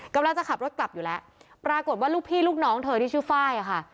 กำลังจะขับรถกลับอยู่แล้วปรากฏว่าลูกพี่ลูกน้องเธอที่ชื่อไฟล์ค่ะ